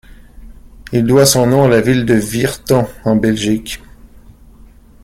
Il doit son nom à la ville de Virton en Belgique.